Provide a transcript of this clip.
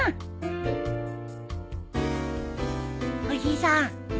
おじさん！